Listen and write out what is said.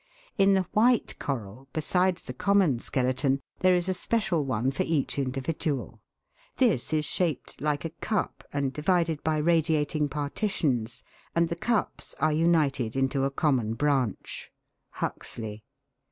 In the white coral, besides the common skeleton, there is a special one for each individual. This is shaped like a cup and divided by radiating parti tions, and the cups are united into a common branch Huxley.